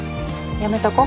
やめとこ。